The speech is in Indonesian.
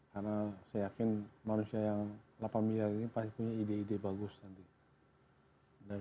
karena saya yakin manusia yang delapan miliar ini pasti punya ide ide bagus nanti